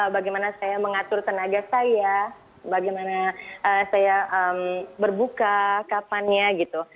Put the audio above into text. bagaimana saya mengatur tenaga saya bagaimana saya berbuka kapannya gitu